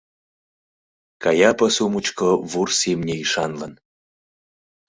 Кая пасу мучко вурс имне ӱшанлын